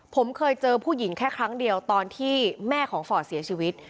ผมเคยเจอผู้หญิงแค่ครั้งเดียวตอนที่แม่ของฟอร์ดเสียชีวิต